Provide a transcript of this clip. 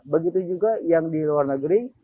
begitu juga yang di luar negeri